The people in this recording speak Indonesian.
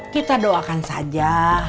kita doakan saja